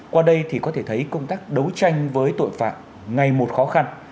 qua đây thì có thể thấy công tác đấu tranh với tội phạm ngày một khó khăn